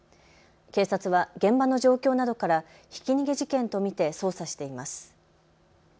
警察は現場の状況などからひき逃げ事件と見て捜査しています。